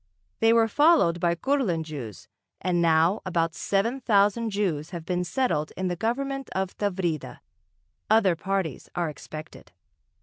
They were followed by Kurland Jews, and now about seven thousand Jews have been settled in the government of Tavrida. Other parties are expected....